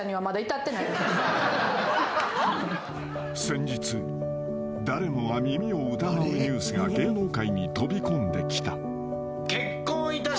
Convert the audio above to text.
［先日誰もが耳を疑うニュースが芸能界に飛び込んできた］